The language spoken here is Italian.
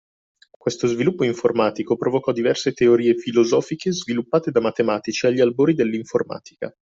Questo sviluppo informatico provocò diverse teorie filosofiche sviluppate da matematici agli albori dell'informatica.